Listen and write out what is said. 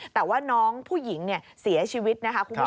แต่ว่าน้องผู้หญิงเสียชีวิตนะคะ